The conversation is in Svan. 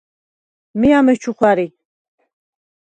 მი ამეჩუ ხვა̈რი.